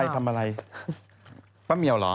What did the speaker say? ทำอะไรป้าเหมียวเหรอ